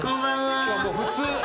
普通！